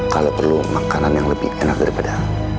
kalau perlu makanan yang lebih enak daripada